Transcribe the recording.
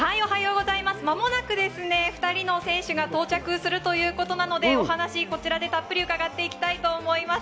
間もなくお２人の選手が到着するということで、お話をこちらでたっぷりと伺ってきたいと思います。